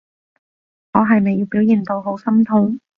我係咪要表現到好心痛？